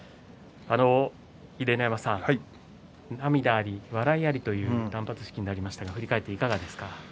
秀ノ山さん、涙あり笑いありという断髪式になりましたが振り返っていかがですか？